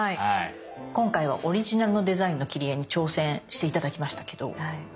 今回はオリジナルのデザインの切り絵に挑戦して頂きましたけどどうでしたか？